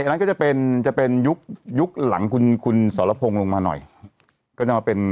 นั้นก็จะเป็นจะเป็นยุคยุคหลังคุณคุณสรพงศ์ลงมาหน่อยก็จะมาเป็น